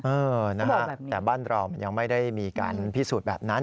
เออนะฮะแต่บ้านเรามันยังไม่ได้มีการพิสูจน์แบบนั้น